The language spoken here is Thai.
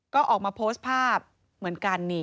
ก็ออกมาโพสต์ภาพเหมือนกัน